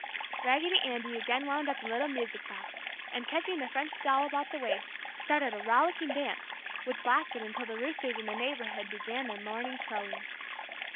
Raggedy Andy again wound up the little music box and, catching the French doll about the waist, started a rollicking dance which lasted until the roosters in the neighborhood began their morning crowing.